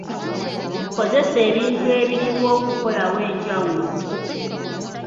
Kozesa ebintu ebiriwo okukolawo enjawulo.